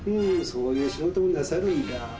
そういう仕事もなさるんだあ。